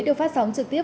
được phát sóng trực tiếp